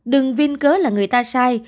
đừng viên cớ là người ta sai